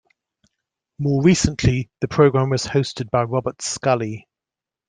More recently, the program was hosted by Robert Scully.